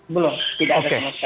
belum tidak ada sama sekali